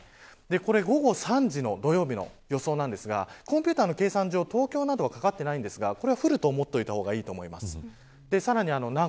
これが土曜日の午後３時の予想なんですがコンピューターの計算上東京などはかかってないんですが降ると思っておいた方がいいと思います。